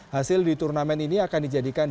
hasil di turnamen ini akan dijadikan